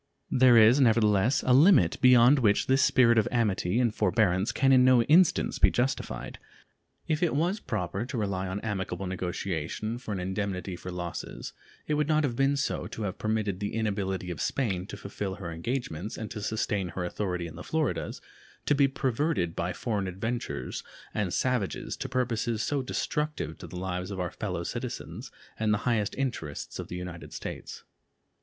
There is nevertheless a limit beyond which this spirit of amity and forbearance can in no instance be justified. If it was proper to rely on amicable negotiation for an indemnity for losses, it would not have been so to have permitted the inability of Spain to fulfill her engagements and to sustain her authority in the Floridas to be perverted by foreign adventurers and savages to purposes so destructive to the lives of our fellow citizens and the highest interests of the United States.